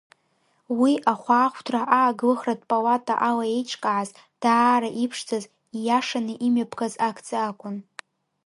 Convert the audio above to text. Уи Ахәаахәҭра-ааглыхратә Палата ала еиҿкааз, даара иԥшӡаз, ииашаны имҩаԥгаз акциа акәын.